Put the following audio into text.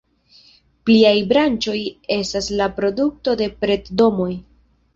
Pliaj branĉoj estas la produkto de pret-domoj.